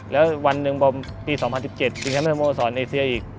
แล้ววันหนึ่งบอมปี๒๐๑๗ชิงแชมป์สโมสรเอเซียอีก